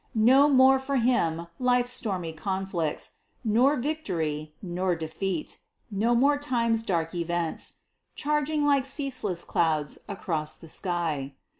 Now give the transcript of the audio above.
No more for him life's stormy conflicts, Nor victory, nor defeat no more time's dark events, Charging like ceaseless clouds across the sky.